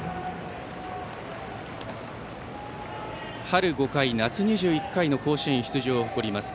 春５回、夏２１回の甲子園出場を誇ります。